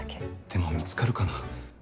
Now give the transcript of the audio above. でも見つかるかな。